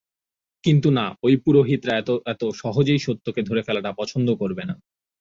কিন্তু না, ঐ পুরোহিতরা এত এত সহজেই সত্যকে ধরে ফেলাটা পছন্দ করবে না।